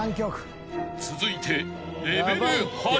［続いて］